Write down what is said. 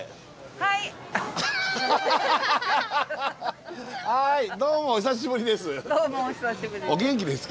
はいどうもお久しぶりです。